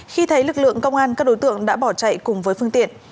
khi thấy lực lượng công an các đối tượng đã bỏ chạy cùng với phương tiện